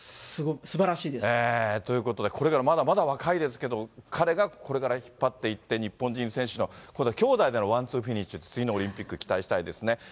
すばらしいです。ということで、これからまだまだ若いですけど、彼がこれから引っ張っていって、日本人選手の、今度は兄弟でのワンツーフィニッシュ、次のオリンピック、期待したいですね。